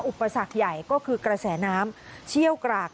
อุปสรรคใหญ่ก็คือกระแสน้ำเชี่ยวกราก